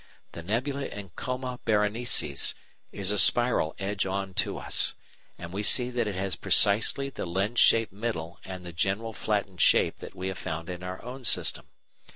The nebula in Coma Berenices is a spiral edge on to us, and we see that it has precisely the lens shaped middle and the general flattened shape that we have found in our own system.